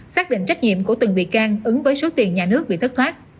xác định trách nhiệm của từng bị can ứng với số tiền nhà nước bị thất thoát